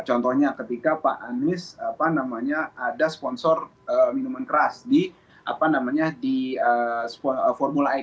contohnya ketika pak anies ada sponsor minuman keras di formula e